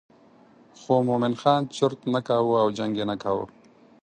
خو مومن خان چرت نه کاوه او جنګ یې نه کاوه.